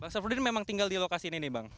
safruddin memang tinggal di lokasi ini nih bang